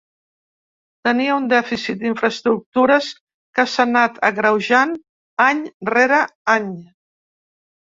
Tenim un dèficit d’infraestructures que s’ha anat agreujant any rere any.